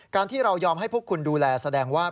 ที่เรายอมให้พวกคุณดูแลแสดงว่า